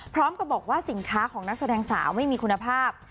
พร้อมกับบอกว่าสินค้าของนักแสดงสาวไม่มีคุณภาพ